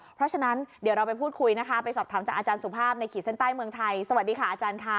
เพราะฉะนั้นเดี๋ยวเราไปพูดคุยนะคะไปสอบถามจากอาจารย์สุภาพในขีดเส้นใต้เมืองไทยสวัสดีค่ะอาจารย์ค่ะ